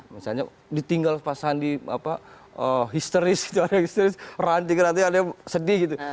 misalnya ditinggal pas sandi apa histeris gitu ada yang histeris ranting ada yang sedih gitu